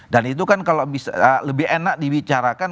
dan itu kan kalau bisa lebih enak dibicarakan